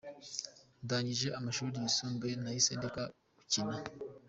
Ndangije amashuri yisumbuye nahise ndeka gukinaâ€?.